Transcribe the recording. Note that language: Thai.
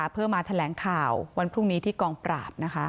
เพื่อมาแถลงข่าววันพรุ่งนี้ที่กองปราบ